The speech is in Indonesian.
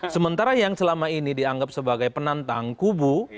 sementara yang selama ini dianggap sebagai penantang kubu